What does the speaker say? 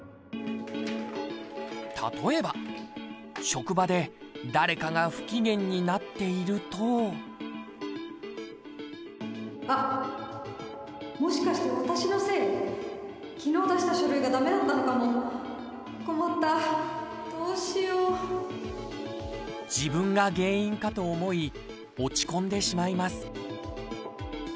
例えば職場で誰かが不機嫌になっていると自分が原因かと思い落ち込んでしまいます